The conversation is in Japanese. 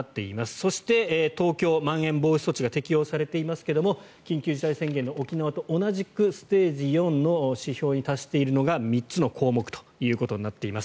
そして、東京はまん延防止措置が適用されていますが緊急事態宣言の沖縄と同じくステージ４の指標に達しているのが３つの項目となっています。